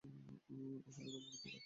আসলে তা উপবৃত্তকার।